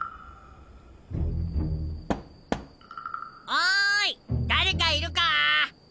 おい誰かいるか？